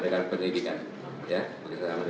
pak dari penyelidikan kerja pak dianisat kemarin ke iria